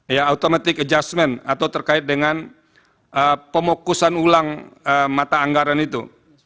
ya automatic adjustment atau terkait dengan pemukusan ulang mata anggaran itu